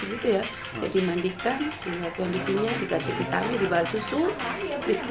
bingung kondisinya dikasih vitamin di bawah susu biskuit juga